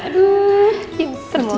aduh pinter juga